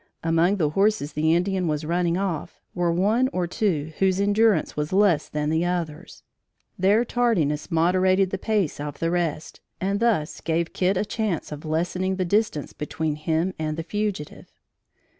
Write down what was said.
Among the horses the Indian was running off were one or two whose endurance was less than the others. Their tardiness moderated the pace of the rest, and thus gave Kit a chance of lessening the distance between him and the fugitive.